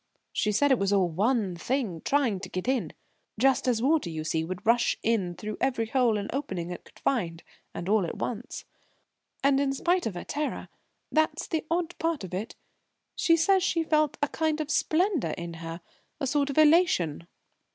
She said it was all one thing trying to get in; just as water, you see, would rush in through every hole and opening it could find, and all at once. And in spite of her terror that's the odd part of it she says she felt a kind of splendour in her a sort of elation."